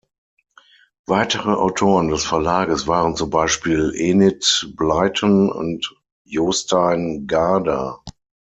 Weitere Autoren des Verlages waren zum Beispiel Enid Blyton und Jostein Gaarder.